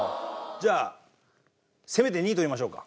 じゃあせめて２位取りましょうか。